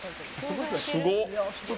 すごっ。